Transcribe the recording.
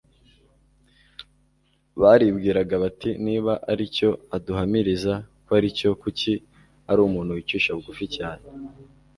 Baribwiraga bati : «Niba ari cyo aduhamiriza ko ari cyo kuki ari umuntu wicisha bugufi cyane?